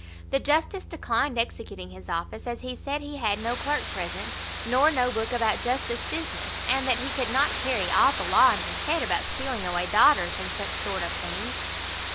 The justice declined executing his office, as he said he had no clerk present, nor no book about justice business; and that he could not carry all the law in his head about stealing away daughters, and such sort of things.